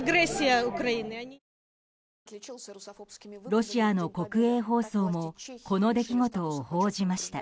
ロシアの国営放送もこの出来事を報じました。